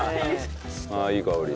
ああいい香り。